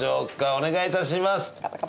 お願い致します！